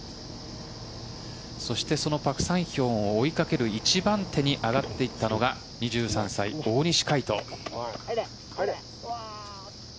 そして、そのパク・サンヒョンを追いかける１番手に上がっていったのが２３歳、大西魁斗。